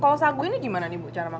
kalau sagu ini gimana nih bu cara makan